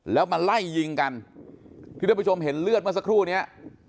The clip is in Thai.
แล้วมาไล่ยิงกันที่ท่านผู้ชมเห็นเลือดเมื่อสักครู่นี้